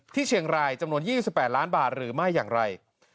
เชียงรายจำนวน๒๘ล้านบาทหรือไม่อย่างไร